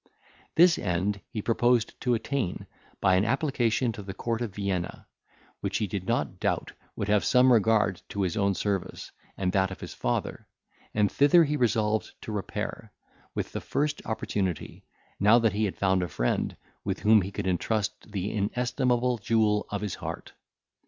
This end he proposed to attain, by an application to the court of Vienna, which he did not doubt would have some regard to his own service, and that of his father; and thither he resolved to repair, with the first opportunity, now that he had found a friend with whom he could intrust the inestimable jewel of his heart.